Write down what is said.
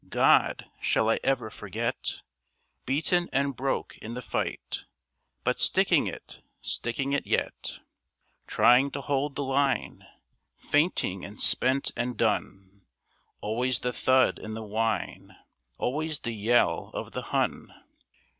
God! shall I ever forget? Beaten and broke in the fight, But sticking it, sticking it yet, Trying to hold the line, Fainting and spent and done; Always the thud and the whine, Always the yell of the Hun.